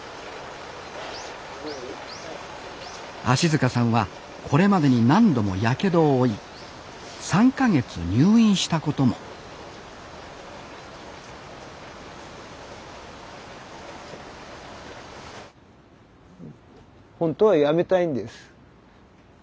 芦さんはこれまでに何度もやけどを負い３か月入院したこともほんとはやめたいんです。